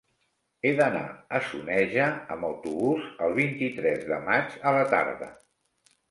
He d'anar a Soneja amb autobús el vint-i-tres de maig a la tarda.